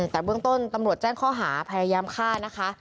แต่เบื้องต้นตำรวจแจ้งข้อหาพยายามฆ่านะคะ